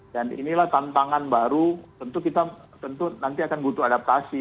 dan inilah tantangan baru tentu kita nanti akan butuh adaptasi